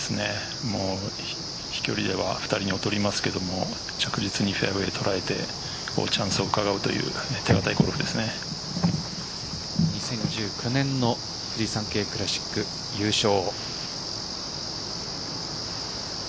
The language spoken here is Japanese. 飛距離では２人に劣りますけど着実にフェアウェイを捉えてチャンスをうかがうという２０１９年のフジサンケイクラシック優勝。